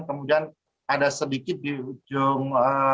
kemudian ada sedikit di ujung